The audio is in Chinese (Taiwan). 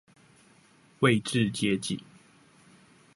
位置接近